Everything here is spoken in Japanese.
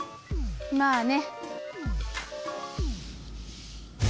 まあね。